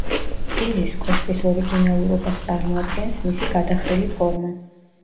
პიზის კოშკის ორიგინალურობას წარმოადგენს მისი გადახრილი ფორმა.